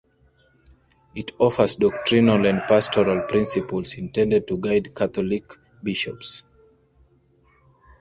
It offers doctrinal and pastoral principles intended to guide Catholic bishops.